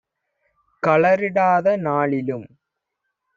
கழறிடாத நாளிலும்